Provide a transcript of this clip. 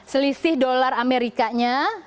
selisih dolar amerikanya